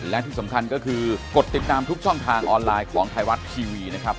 และที่สำคัญก็คือกดติดตามทุกช่องทางออนไลน์ของไทยรัฐทีวีนะครับ